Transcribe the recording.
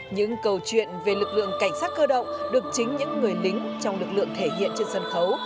những câu chuyện về lực lượng cảnh sát cơ động được chính những người lính trong lực lượng thể hiện trên sân khấu